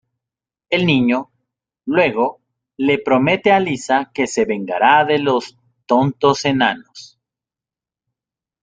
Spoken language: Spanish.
El niño, luego, le promete a Lisa que se vengará de los "tontos enanos".